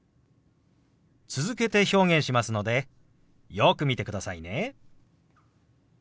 続けて表現しますのでよく見てくださいね。